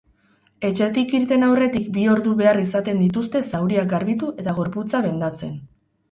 Etxetik irten aurretik bi ordu behar izaten dituzte zauriak garbitu eta gorputza bendatzen.